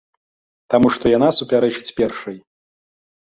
Таму што яна супярэчыць першай.